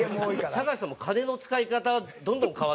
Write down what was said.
隆さんも金の使い方どんどん変わってきて。